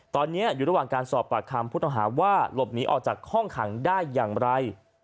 ตอนนี้อยู่ระหว่างการสอบปากคำผู้ต้องหาว่าหลบหนีออกจากห้องขังได้อย่างไร